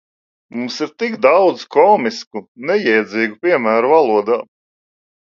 Mums ir tik daudz komisku, nejēdzīgu piemēru valodā.